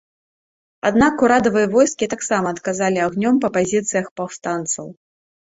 Аднак, урадавыя войскі таксама адказалі агнём па пазіцыях паўстанцаў.